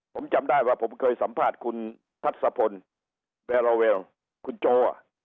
ผมจำได้ว่าผมเคยสัมภาษณ์คุณทัศพลเบลาเวลคุณโจอ่ะ